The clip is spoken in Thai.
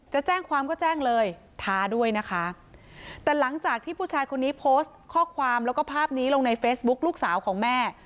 จะแจ้งความก็แจ้งเลยท้าด้วยนะคะแต่หลังจากที่ผู้ชายคนนี้โพสต์ข้อความแล้วก็ภาพนี้ลงในเฟซบุ๊คลูกสาวของแม่